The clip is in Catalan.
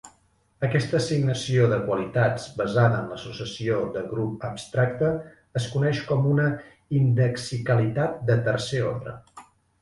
Aquesta assignació de qualitats basada en l'associació de grup abstracta es coneix com una indexicalitat de tercer ordre.